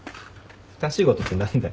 ふた仕事って何だよ。